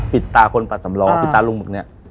ปิดตาคนปั่นสำรวจปิดตาลูกมึงนะ